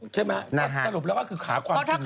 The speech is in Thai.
ใช่ไหมสรุปแล้วก็คือขาความคิดเนี่ยนะฮะ